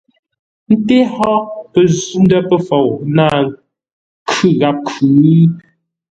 Ńté hó pəzʉ́-ndə̂ pəfou náa khʉ gháp khʉ̌?